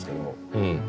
うん。